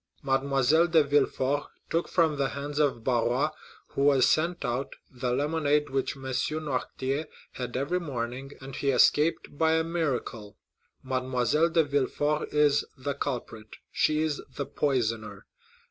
Mademoiselle de Villefort took from the hands of Barrois, who was sent out, the lemonade which M. Noirtier had every morning, and he has escaped by a miracle. Mademoiselle de Villefort is the culprit—she is the poisoner!